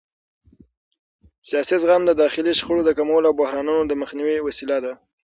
سیاسي زغم د داخلي شخړو د کمولو او بحرانونو د مخنیوي وسیله ده